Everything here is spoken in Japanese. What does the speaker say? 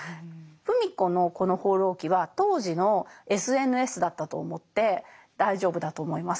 芙美子のこの「放浪記」は当時のＳＮＳだったと思って大丈夫だと思います。